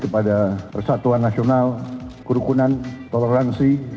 kepada persatuan nasional kerukunan toleransi